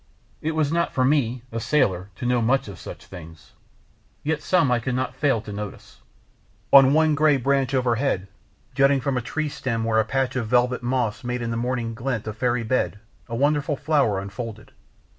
It was not for me, a sailor, to know much of such things, yet some I could not fail to notice. On one grey branch overhead, jutting from a tree stem where a patch of velvet moss made in the morning glint a fairy bed, a wonderful flower unfolded.